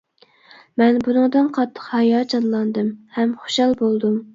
مەن بۇنىڭدىن قاتتىق ھاياجانلاندىم ھەم خۇشال بولدۇم.